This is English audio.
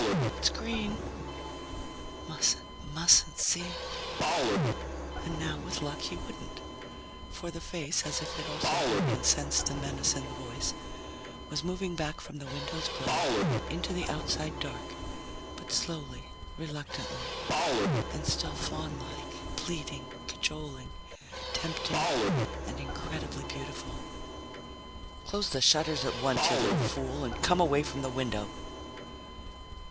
"It's green." Mustn't, mustn't see it. And now, with luck, he wouldn't. For the face, as if it also heard and sensed the menace in the voice, was moving back from the window's glow into the outside dark, but slowly, reluctantly, and still faunlike, pleading, cajoling, tempting, and incredibly beautiful. "Close the shutters at once, you little fool, and come away from the window!"